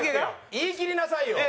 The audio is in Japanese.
言いきりなさいよ！